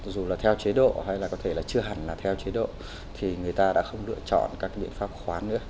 dù là theo chế độ hay là có thể là chưa hẳn là theo chế độ thì người ta đã không lựa chọn các biện pháp khoán nữa